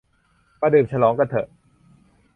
มาดื่มฉลองกันเถอะ